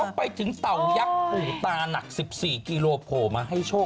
ไปถึงเต่ายักษ์ปู่ตาหนัก๑๔กิโลโผล่มาให้โชค